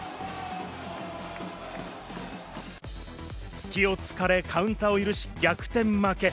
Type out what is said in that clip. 隙を突かれカウンターを許し、逆転負け。